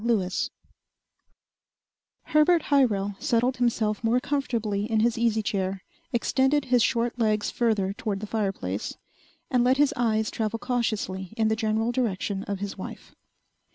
Lewis Illustrated by KELLY FREAS Herbert Hyrel settled himself more comfortably in his easy chair, extended his short legs further toward the fireplace, and let his eyes travel cautiously in the general direction of his wife.